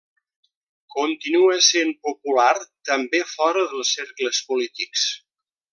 Continua sent popular també fora de cercles polítics.